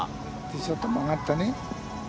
ちょっと曲がったね。